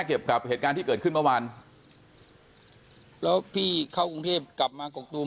เกี่ยวกับเหตุการณ์ที่เกิดขึ้นเมื่อวานแล้วพี่เข้ากรุงเทพกลับมากกตูม